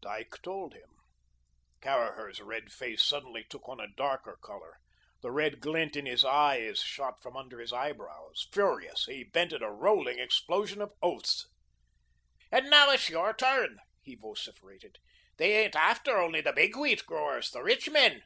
Dyke told him. Caraher's red face suddenly took on a darker colour. The red glint in his eyes shot from under his eyebrows. Furious, he vented a rolling explosion of oaths. "And now it's your turn," he vociferated. "They ain't after only the big wheat growers, the rich men.